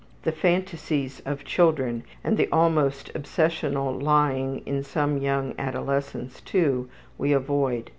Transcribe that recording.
The fantasies of children, and the almost obsessional lying in some young adolescents, too, we avoid.